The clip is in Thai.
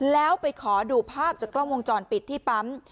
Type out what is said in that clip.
แล้วไปขอดูภาพจากกล้องวงจรปิดที่ปั๊ม